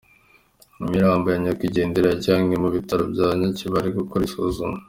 Imirambo ya ba nyakwigendera yajyanywe mu bitaro bya Nyakibale gukorerwa isuzuma.